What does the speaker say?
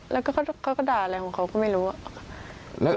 แล้วก็เขาก็ด่าอะไรของเขาก็ไม่รู้